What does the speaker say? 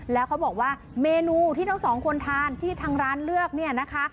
แล้วเขาบอกว่าเมนูที่ทั้งสองคนทานที่ทางร้านเลือกเนี่ยนะคะ